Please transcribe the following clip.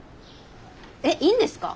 えっいいんですか！？